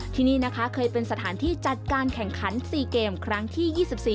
ที่นี่นะคะเคยเป็นสถานที่จัดการแข่งขัน๔เกมครั้งที่๒๔